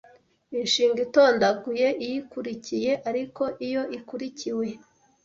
inshinga itondaguye iyikurikiye ariko iyo ikurikiwe